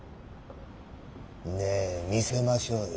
ねぇ見せましょうよ。